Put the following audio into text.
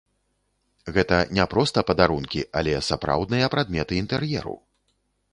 Гэта не проста падарункі, але сапраўдныя прадметы інтэр'еру!